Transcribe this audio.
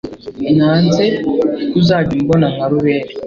nanze kuzajya umbona nka rubebe